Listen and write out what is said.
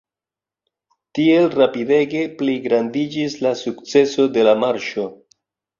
Tiel rapidege pligrandiĝis la sukceso de la marŝo.